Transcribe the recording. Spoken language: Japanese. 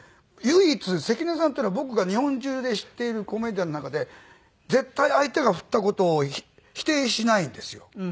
唯一関根さんっていうのは僕が日本中で知っているコメディアンの中で絶対相手が振った事を否定しないんですよ。